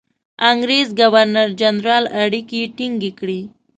انګرېز ګورنرجنرال اړیکې ټینګ کړي.